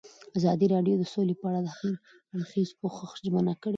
ازادي راډیو د سوله په اړه د هر اړخیز پوښښ ژمنه کړې.